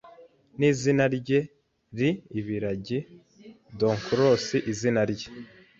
N'izina rye ri-ibiragi-donkulous izina rye